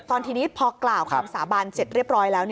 ตอนนี้พอกล่าวคำสาบานเสร็จเรียบร้อยแล้ว